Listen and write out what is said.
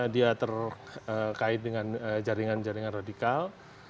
dia terkait dengan jaringan jaringan radikal